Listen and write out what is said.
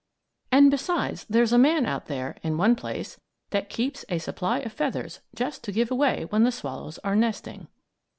And besides, there's a man out there, in one place, that keeps a supply of feathers just to give away when the swallows are nesting.